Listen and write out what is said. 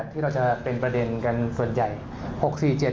ที่เราจะเป็นประเด็นกันส่วนใหญ่